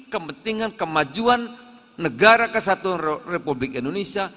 kepentingan kemajuan negara kesatuan republik indonesia